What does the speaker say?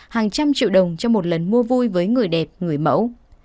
hàng trăm triệu đồng cho một lần mua vui với người đẹp người mẫu